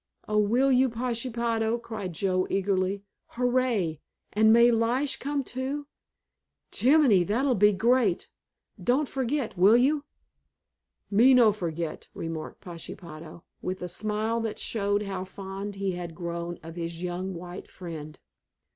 "Oh, will you, Pashepaho?" cried Joe eagerly. "Hurray! And may Lige come, too? Jeminy, that'd be great. Don't forget, will you?" "Me no forget," remarked Pashepaho, with a smile that showed how fond he had grown of his young white friend.